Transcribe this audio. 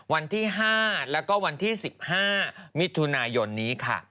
วันที่๕แล้วก็วันที่๑๕มิถุนายนนี้ค่ะ